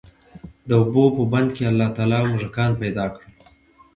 د اوبو په بند کي الله تعالی موږکان پيدا کړل،